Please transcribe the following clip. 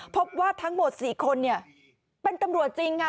พบว่าทั้งหมด๔คนเป็นตำรวจจริงค่ะ